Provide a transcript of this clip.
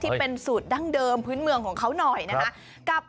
ที่เป็นสูตรดั้งเดิมพื้นเมืองของเขาหน่อยนะคะ